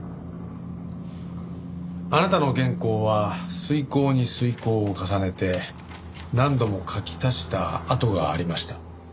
あなたの原稿は推敲に推敲を重ねて何度も書き足した跡がありました。